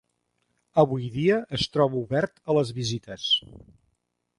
Avui dia es troba obert a les visites.